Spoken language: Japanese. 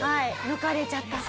抜かれちゃったと。